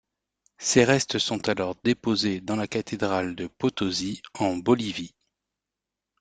Ses restes sont alors déposés dans la cathédrale de Potosí en Bolivie.